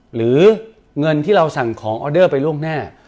หรือเงินที่เราสั่งของออเดอร์ไปล่วงหน้า